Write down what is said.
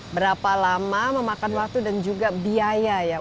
berapa lama memakan waktu dan juga biaya ya